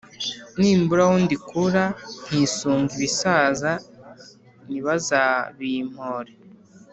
Nimbura aho ndikura Nkisunga ibisaza nibaza bimpore